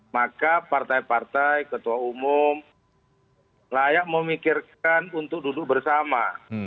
maka partai partai ketua umum layak memikirkan untuk duduk bersama